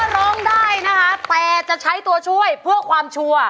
แต่จะใช้ตัวช่วยเพื่อความชัวร์